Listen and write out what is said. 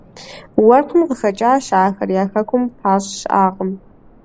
Уэркъым къыхэкӀащ ахэр, я хэкум пащӀ щыӀакъым.